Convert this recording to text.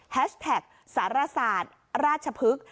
แท็กสารศาสตร์ราชพฤกษ์